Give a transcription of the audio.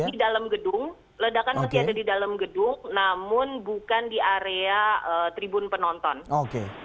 ledakan masih ada di dalam gedung namun bukan di area tribun penonton